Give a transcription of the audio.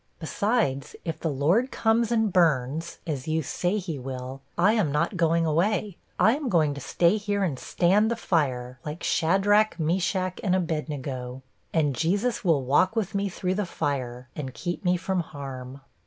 Besides, if the Lord comes and burns as you say he will I am not going away; I am going to stay here and stand the fire, like Shadrach, Meshach, and Abednego! And Jesus will walk with me through the fire, and keep me from harm.